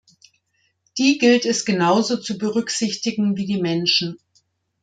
Die gilt es genauso zu berücksichtigen wie die Menschen.